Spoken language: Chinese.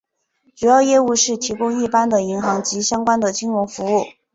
主要业务是提供一般的银行及相关的金融服务。